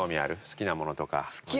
好きなものとか。